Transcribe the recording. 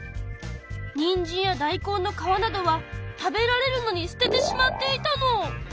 にんじんや大根の皮などは食べられるのに捨ててしまっていたの！